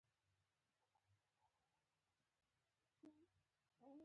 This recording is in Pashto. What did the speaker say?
زه چې په غالب ګومان لس کلن وم.